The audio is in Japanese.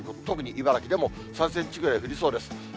特に茨城でも３センチぐらい降りそうです。